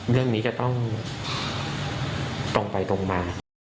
เรื่องนี้จะต้องตรงไปตรงมา